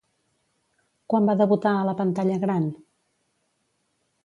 Quan va debutar a la pantalla gran?